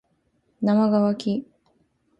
なまがわき